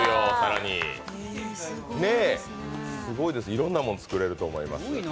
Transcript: いろんなもん作れると思います。